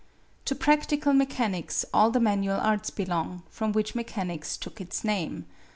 To practical mechanics all the manual arts belong, from which mechanics took its name.